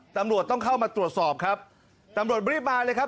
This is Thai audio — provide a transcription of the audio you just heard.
ตำรวจต้องเข้ามาตรวจสอบครับตำรวจรีบมาเลยครับ